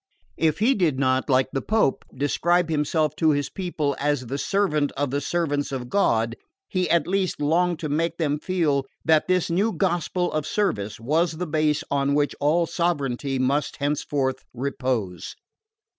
If he did not, like the Pope, describe himself to his people as the servant of the servants of God, he at least longed to make them feel that this new gospel of service was the base on which all sovereignty must henceforth repose.